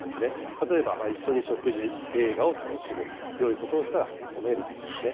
例えば、一緒に食事、映画を楽しむ、よいことをしたら褒めるとかですね。